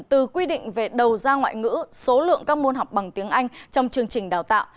từ quy định về đầu ra ngoại ngữ số lượng các môn học bằng tiếng anh trong chương trình đào tạo